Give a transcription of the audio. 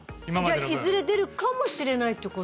じゃあいずれ出るかもしれないってこと？